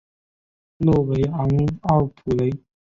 诺维昂奥普雷。